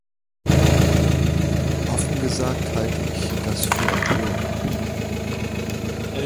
Offen gesagt halte ich das für empörend.